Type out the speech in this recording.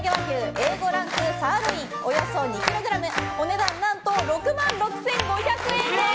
Ａ５ランクサーロインおよそ２ｋｇお値段何と６万６５００円です。